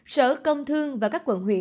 sở công thương và các quận huyện